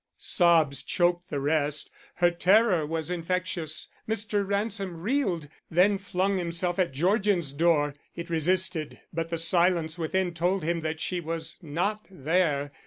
Sobs choked the rest. Her terror was infectious. Mr. Ransom reeled, then flung himself at Georgian's door. It resisted but the silence within told him that she was not there.